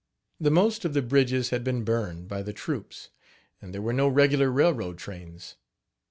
The most of the bridges had been burned, by the troops, and there were no regular railroad trains.